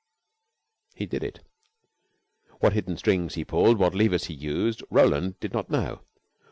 He did it. What hidden strings he pulled, what levers he used, Roland did not know.